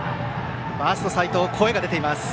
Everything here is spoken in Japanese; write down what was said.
ファースト、齋藤声が出ています。